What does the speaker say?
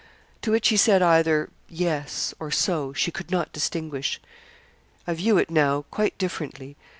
To which he said either 'Yes' or 'So.' She could not distinguish. 'I view it now quite differently.